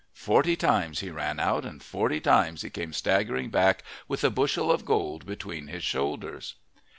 Forty times he ran out, and forty times he came staggering back with a bushel of gold between his shoulders.